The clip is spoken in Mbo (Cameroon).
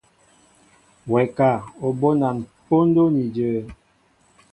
Wɛ ka, O bónan póndó ni jě?